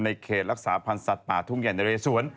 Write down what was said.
ในเขตรักษาพันธุ์สัตว์ป่าทุ่งแห่งนาเลสวน